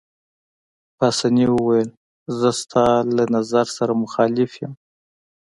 پاسیني وویل: زه ستا له نظر سره مخالف یم.